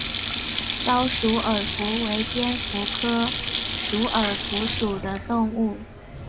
沼鼠耳蝠为蝙蝠科鼠耳蝠属的动物。